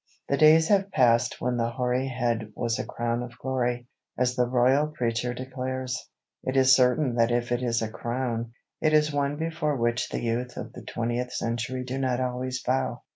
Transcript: The days have passed when the hoary head was a crown of glory, as the royal preacher declares. It is certain that if it is a crown, it is one before which the youth of the twentieth century do not always bow.